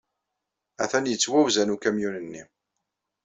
Atan yettwawzan ukamyun-nni.